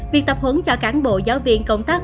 việc tập huấn cho cán bộ giáo viên công tác